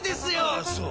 ああそう。